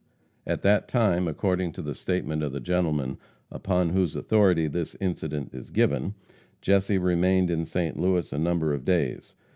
At that time, according to the statement of the gentleman upon whose authority this incident is given, Jesse remained in St. Louis a number of days.